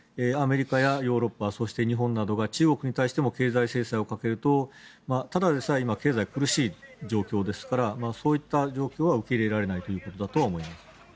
アメリカやヨーロッパそして日本などが中国に対しても経済制裁をかけるとただでさえ今、経済が苦しい状況ですからそういった状況は受け入れられないということだと思います。